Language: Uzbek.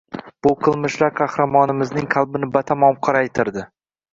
– bu qilmishlar qahramonimizning qalbini batamom qoraytirdi